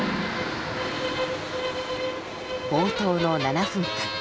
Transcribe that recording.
冒頭の７分間